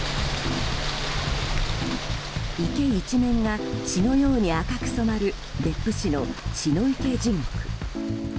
池一面が血のように赤く染まる別府市の血の池地獄。